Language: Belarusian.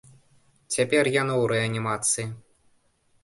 Цяпер яно ў рэанімацыі.